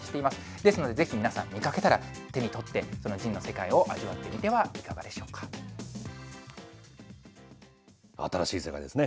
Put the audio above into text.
ですので、ぜひ皆さん、見かけたら手に取って、このＺＩＮＥの世界を味わってみてはいかがでしょ新しい世界ですね。